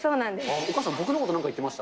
お母さん、僕のこと何か言ってました？